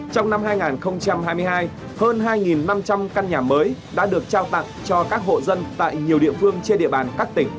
trong năm hai nghìn hai mươi hai hơn hai năm trăm linh căn nhà mới đã được trao tặng cho các hộ dân tại nhiều địa phương trên địa bàn các tỉnh